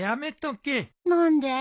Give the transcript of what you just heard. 何で？